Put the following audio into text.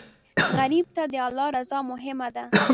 غریب ته د الله رضا مهمه ده